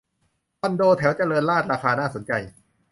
คอนโดแถวเจริญราษฎร์ราคาน่าสนใจ